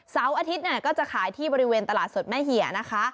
เสาร์อาทิตย์ก็จะขายที่บริเวณตลาดสดแม่เหี่ยนะคะ